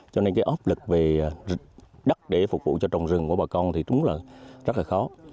cho nên cái áp lực về đất để phục vụ cho trồng rừng của bà con thì chúng là rất là khó